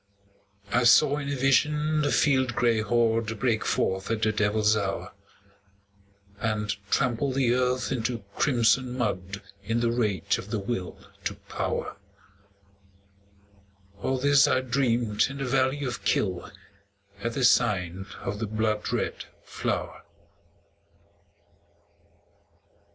I saw in a vision the field gray horde Break forth at the devil's hour, And trample the earth into crimson mud In the rage of the Will to Power, All this I dreamed in the valley of Kyll, At the sign of the blood red flower.